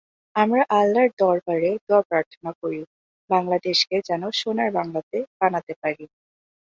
আমরা আল্লাহর দরবারে দোয়া প্রার্থনা করি, বাংলাদেশকে যেন সোনার বাংলা বানাতে পারি।